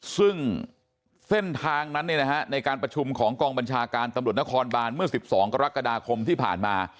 ซึ่งเส้นทางนั้นในการประชุมของกองบัญชาการตำรวจนครบานเมื่อ๑๒กรกฎาคมที่ผ่านมา